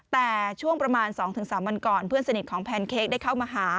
แต่ช่วงประมาณ๒๓วันก่อนเพื่อนสนิทของแพนเค้กได้เข้ามาหา